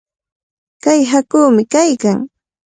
Kay haakumi kaykan.